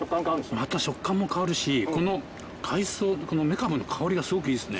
また食感も変わるしこの海藻めかぶの香りがすごくいいですね。